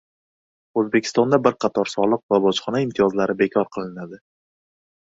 O‘zbekistonda bir qator soliq va bojxona imtiyozlari bekor qilinadi